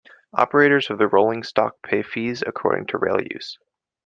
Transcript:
Operators of the rolling stock pay fees according to rail use.